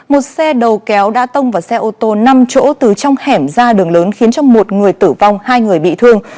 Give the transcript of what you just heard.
một xe đầu kéo đã tông vào xe ô tô năm chỗ từ trong hẻm ra đường lớn khiến một người tử vong hai người bị thương